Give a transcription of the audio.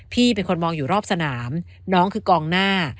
พี่เป็นคนมองอยู่รอบสนามน้องคือกองหน้า